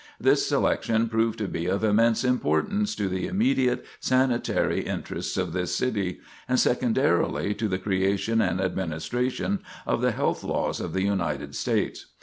This selection proved to be of immense importance to the immediate sanitary interests of this city, and secondarily to the creation and administration of the health laws of the United States.